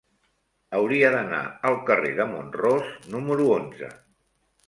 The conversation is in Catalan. Hauria d'anar al carrer de Mont-ros número onze.